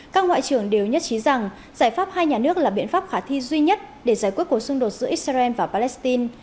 các ngoại trưởng đều nhất trí rằng giải pháp hai nhà nước là biện pháp khả thi duy nhất để giải quyết cuộc xung đột giữa israel và palestine